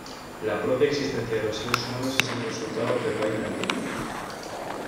La propia existencia de los seres humanos es el resultado del baile antiguo.